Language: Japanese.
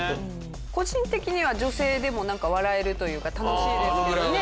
個人的には女性でも笑えるというか楽しいですけどね。